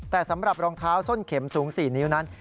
แต่สำหรับรองเท้าส้นเข็มสูง๔นิ้วนั้น